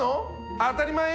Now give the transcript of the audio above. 当たり前よ。